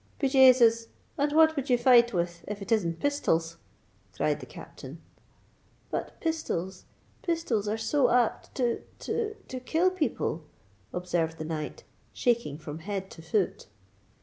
"Be Jasus! and what would ye fight with, if it isn't pisthols?" cried the Captain. "But pistols—pistols are so apt to—to—kill people," observed the knight, shaking from head to foot.